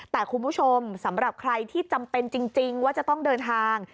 แต่คุณผู้ชมสำหรับใครที่จำเป็นจริงว่าจะต้องเดินทาง